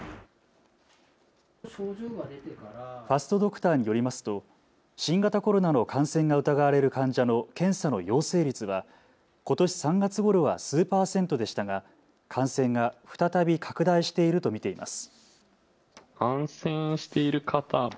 ファストドクターによりますと新型コロナの感染が疑われる患者の検査の陽性率はことし３月ごろは数％でしたが感染が再び拡大していると見ています。